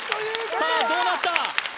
さあどうなった？